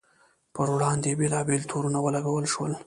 پر وړاندې یې بېلابېل تورونه ولګول شول.